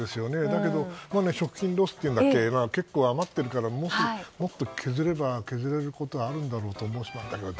だけど、食品ロスもあるから結構余っているからもっと削れば削れるところもあるんだろうと思うけど。